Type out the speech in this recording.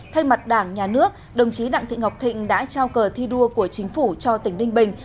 thay mặt đảng nhà nước đồng chí đặng thị ngọc thịnh đã trao cờ thi đua của chính phủ cho tỉnh ninh bình